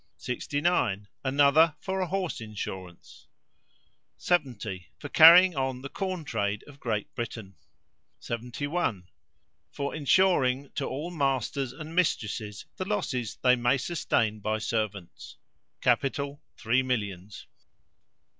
69. Another for a horse insurance. 70. For carrying on the corn trade of Great Britain. 71. For insuring to all masters and mistresses the losses they may sustain by servants. Capital, three millions.